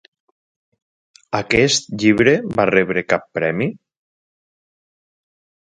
Aquest llibre va rebre cap premi?